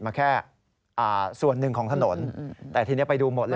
มาแค่ส่วนหนึ่งของถนนแต่ทีนี้ไปดูหมดเลย